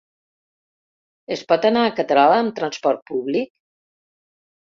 Es pot anar a Catral amb transport públic?